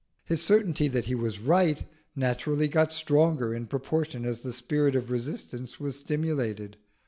His certainty that he was right naturally got stronger in proportion as the spirit of resistance was stimulated.